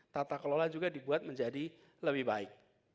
tata kelola juga dibuat menjadi lebih baik